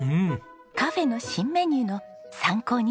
カフェの新メニューの参考にするためです。